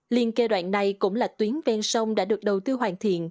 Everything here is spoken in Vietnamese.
liên kê đoạn này cũng là tuyến ven sông đã được đầu tư hoàn thiện